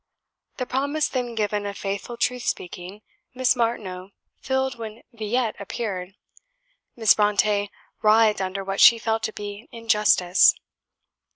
The promise then given of faithful truth speaking, Miss Martineau fulfilled when "Villette" appeared. Miss Brontë writhed under what she felt to be injustice.